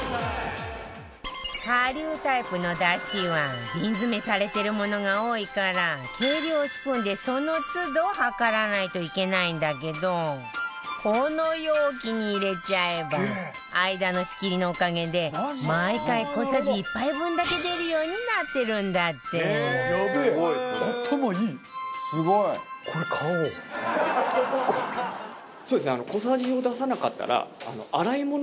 顆粒タイプのだしは瓶詰めされてるものが多いから計量スプーンでその都度量らないといけないんだけどこの容器に入れちゃえば間の仕切りのおかげで毎回小さじ１杯分だけ出るようになってるんだってっていうのがやっぱ一番ですね。